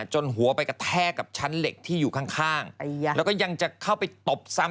จนหัวไปกระแทกกับชั้นเหล็กที่อยู่ข้างแล้วก็ยังจะเข้าไปตบซ้ำ